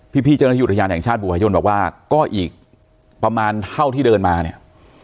พี่เจ้าหน้าที่อุทยานแห่งชาติบัวหายนบอกว่าก็อีกประมาณเท่าที่เดินมาเนี่ย